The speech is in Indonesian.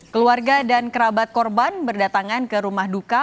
keluarga dan kerabat korban berdatangan ke rumah duka